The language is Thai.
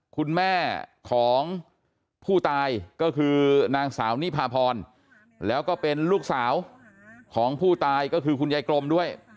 คุณแม่ของผู้ตายก็คือนางสาวนิพาพรแล้วก็เป็นลูกสาวของผู้ตายก็คือคุณยายกรมด้วย